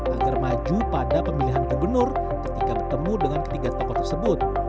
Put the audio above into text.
agar maju pada pemilihan gubernur ketika bertemu dengan ketiga tokoh tersebut